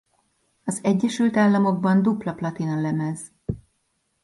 Az Egyesült Államokban dupla platinalemez.